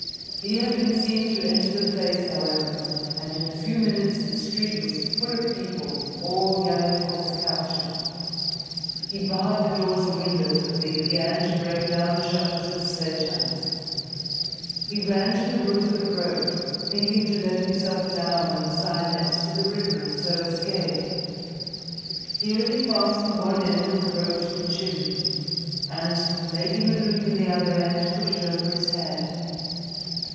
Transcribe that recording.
He had been seen to enter the place, however, and in a few minutes the street was full of people, all yelling for his capture. He barred the doors and windows, but they began to break down the shutters with sledge hammers. He ran to the roof with a rope, thinking to let himself down on the side next the river and so escape. Here he fastened one end of the rope to the chimney, and, making a loop in the other end, put it over his head.